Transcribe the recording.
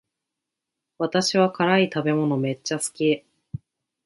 私は辛い食べ物めっちゃ好き